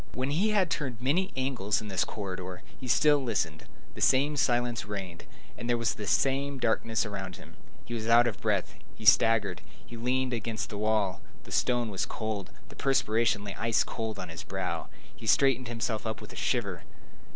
When he had turned many angles in this corridor, he still listened. The same silence reigned, and there was the same darkness around him. He was out of breath; he staggered; he leaned against the wall. The stone was cold; the perspiration lay ice cold on his brow; he straightened himself up with a shiver.